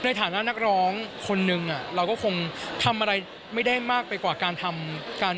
ในฐานะนักร้องคนนึงเราก็คงทำอะไรไม่ได้มากไปกว่าการทำการ